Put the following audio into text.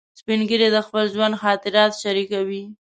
سپین ږیری د خپل ژوند خاطرات شریکوي